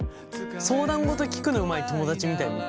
相談事聞くのうまい友だちみたいだよね。